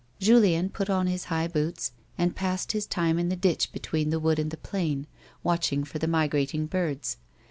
Julien put on his high boots, and passed his time in the ditch between the wood and the plain, watching for the migrating birds.